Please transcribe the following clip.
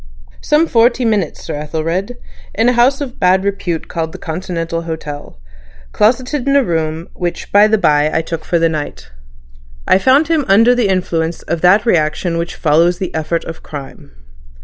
"Some forty minutes, Sir Ethelred, in a house of bad repute called Continental Hotel, closeted in a room which by the by I took for the night. I found him under the influence of that reaction which follows the effort of crime.